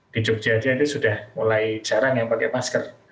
di jogja itu sudah mulai jarang yang pakai masker